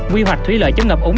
quy hoạch thủy lợi chống ngập ống